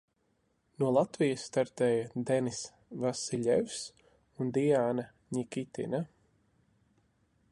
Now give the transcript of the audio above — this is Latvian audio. No Latvijas startēja Deniss Vasiļjevs un Diāna Ņikitina.